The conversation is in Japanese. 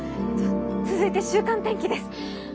続いて週間天気です。